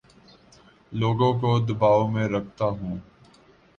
لوگوں کو دباو میں رکھتا ہوں